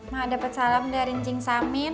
mak dapat salam dari njing samin